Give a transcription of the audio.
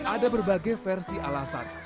ada berbagai versi alasan